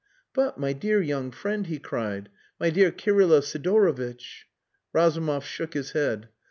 "But, my dear young friend!" he cried. "My dear Kirylo Sidorovitch...." Razumov shook his head.